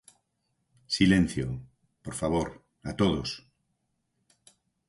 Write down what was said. Silencio, por favor, a todos.